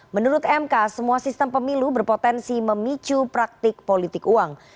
menurut mk semua sistem pemilu berpotensi memicu praktik politik uang